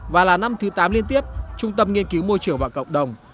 và là năm thứ tám liên tiếp trung tâm nghiên cứu môi trường và cộng đồng